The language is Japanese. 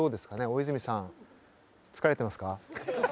大泉さん疲れてますか？